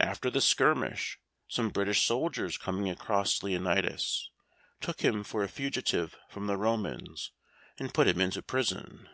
After the skirmish, some British soldiers coming across Leonatus, took him for a fugitive from the Romans, and put him into prison.